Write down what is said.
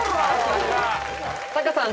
タカさん